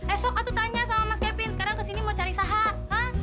esok aku tanya sama mas kevin sekarang kesini mau cari saham